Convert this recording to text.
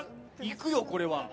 行くよこれは。